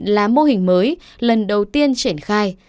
là mô hình mới lần đầu tiên triển khai